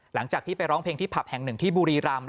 หลังจากที่ไปร้องเพลงที่ผับแห่งหนึ่งที่บุรีรำ